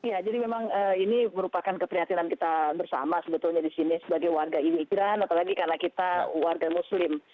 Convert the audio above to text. ya jadi memang ini merupakan keprihatinan kita bersama sebetulnya di sini sebagai warga imigran apalagi karena kita warga muslim